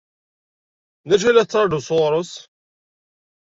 D acu i la tettṛaǧuḍ sɣur-s?